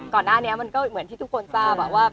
ก่อนหน้านี้มันก็เหมือนที่ทุกคนทราบว่า